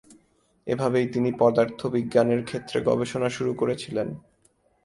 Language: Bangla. এভাবেই তিনি পদার্থবিজ্ঞানের ক্ষেত্রে গবেষণা শুরু করেছিলেন।